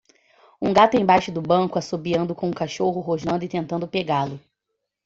Um gato embaixo do banco assobiando com um cachorro rosnando e tentando pegá-lo.